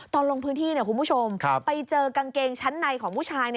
ลงพื้นที่คุณผู้ชมไปเจอกางเกงชั้นในของผู้ชาย